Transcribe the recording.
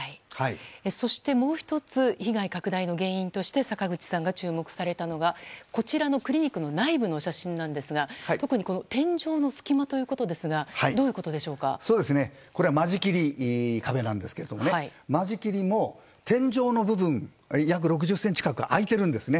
そして、もう１つ被害拡大の原因として坂口さんが注目されたのがこちらのクリニックの内部の写真なんですが特に天井の隙間ということですが間仕切り壁なんですが間仕切りも天井の部分、約６０ｃｍ空いているんですね。